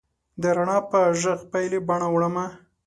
د رڼا په ږغ پیلې باڼه وړمه